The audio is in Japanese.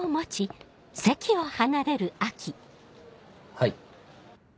はい。